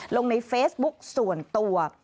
ลงในเฟซบุ๊กส่วนตัว